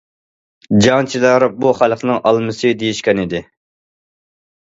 جەڭچىلەر:« بۇ خەلقنىڭ ئالمىسى» دېيىشكەنىدى.